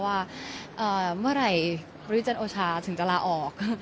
ว่าเมื่อไหร่ประยุจันทร์โอชาถึงจะลาออก